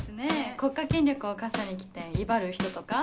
国家権力を笠に着て威張る人とか。